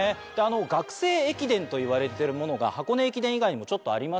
学生駅伝といわれてるものが箱根駅伝以外にもありまして。